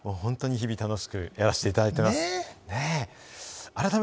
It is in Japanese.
本当に日々、楽しくやらせていただいています。